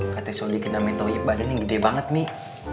kata soli kena main toyik badan yang gede banget nih